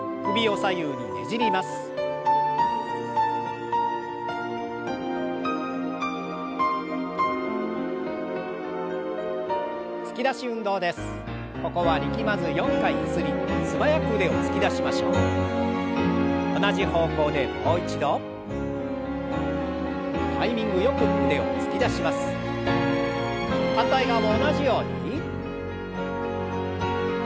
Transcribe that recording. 反対側も同じように。